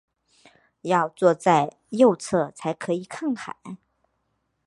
要坐在右侧才可以看海